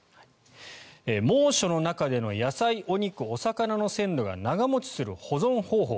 猛暑の中での野菜、お肉、お魚の鮮度が長持ちする保存方法。